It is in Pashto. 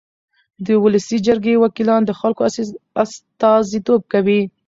د ولسي جرګې وکیلان د خلکو استازیتوب کوي.